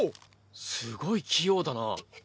すごい器用だな。